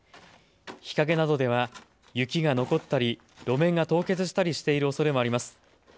日陰などでは雪が残ったり路面が凍結したりしているおそれもあります。